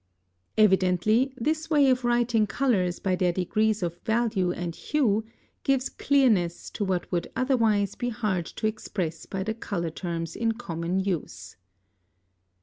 (70) Evidently, this way of writing colors by their degrees of value and hue gives clearness to what would otherwise be hard to express by the color terms in common use.